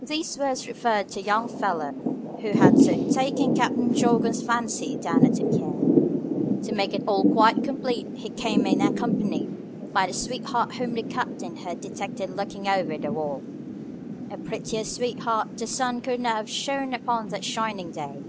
These words referred to the young fellow who had so taken Captain Jorgan's fancy down at the pier. To make it all quite complete he came in accompanied by the sweetheart whom the captain had detected looking over the wall. A prettier sweetheart the sun could not have shone upon that shining day.